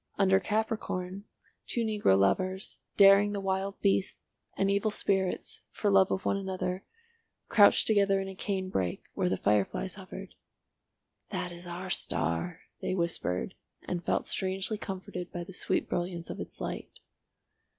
Under Capricorn, two negro lovers, daring the wild beasts and evil spirits, for love of one another, crouched together in a cane brake where the fire flies hovered. "That is our star," they whispered, and felt strangely comforted by the sweet brilliance of its light.